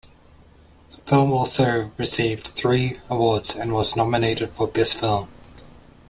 The film also received three awards and was nominated for "Best Film".